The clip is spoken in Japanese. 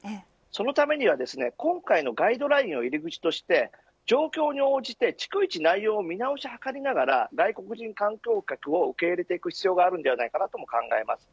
そのためには今回のガイドラインを入り口として状況に応じて逐一内容の見直しを図りながら外国人観光客を受け入れていく必要があると思います。